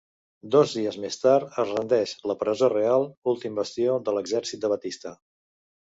Dos dies més tard es rendeix la Presó Real, últim bastió de l'exèrcit de Batista.